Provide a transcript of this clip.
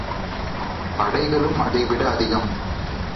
படைகளும் அதைவிட அதிகம்!